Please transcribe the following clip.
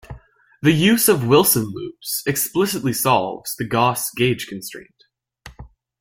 The use of Wilson loops explicitly solves the Gauss gauge constraint.